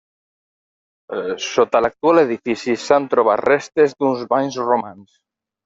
Sota l'actual edifici s'han trobat restes d'uns banys romans.